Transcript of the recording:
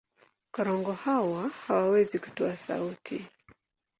Korongo hawa hawawezi kutoa sauti.